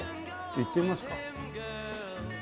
行ってみますか。